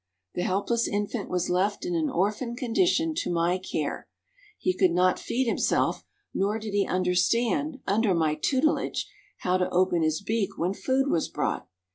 The helpless infant was left in an orphaned condition to my care; he could not feed himself, nor did he understand, under my tutelage, how to open his beak when food was brought.